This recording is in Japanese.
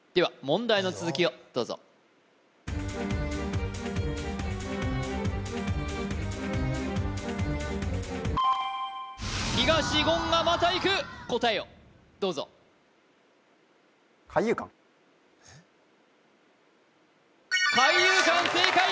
問題の続きをどうぞ東言がまたいく答えをどうぞ海遊館正解